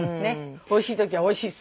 おいしい時は「おいしい。